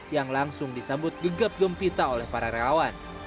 yang langsung disambut gegap gempita oleh para relawan